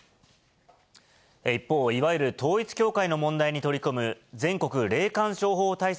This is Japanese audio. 一方、いわゆる統一教会の問題に取り組む、全国霊感商法対策